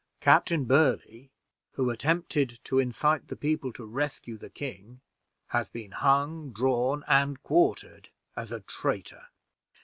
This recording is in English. Captain Burly, who attempted to incite the people to rescue the king, has been hung, drawn, and quartered, as a traitor."